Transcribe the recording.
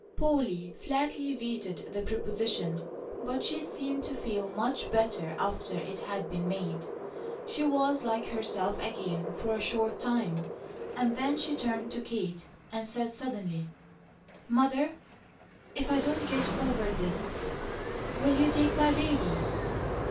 Polly flatly vetoed the proposition, but she seemed to feel much better after it had been made. She was like herself again for a short time, and then she turned to Kate and said suddenly: "Mother, if I don't get over this, will you take my baby?"